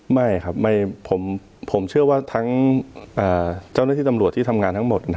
ไม่ครับผมเชื่อว่าทั้งเจ้าหน้าที่ตำรวจที่ทำงานทั้งหมด